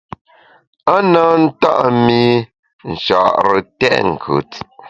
A na nta’ mi Nchare tèt nkùt.